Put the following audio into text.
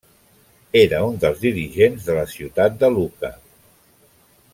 Era un dels dirigents de la ciutat de Lucca.